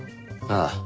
ああ。